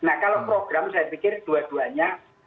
nah kalau program saya pikir dua duanya